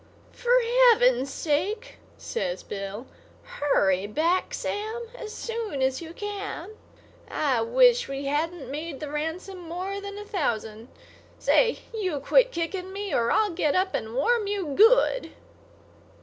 "For Heaven's sake," says Bill, "hurry back, Sam, as soon as you can. I wish we hadn't made the ransom more than a thousand. Say, you quit kicking me or I'll get up and warm you good."